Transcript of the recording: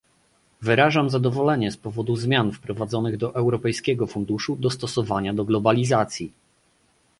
Wyrażam zadowolenie z powodu zmian wprowadzonych do europejskiego funduszu dostosowania do globalizacji